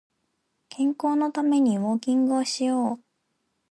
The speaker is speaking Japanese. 健康のためにウォーキングをしよう